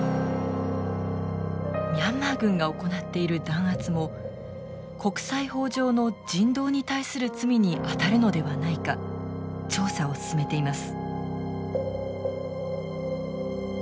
ミャンマー軍が行っている弾圧も国際法上の人道に対する罪にあたるのではないか調査を進めています。